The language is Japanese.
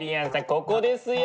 ここですよ。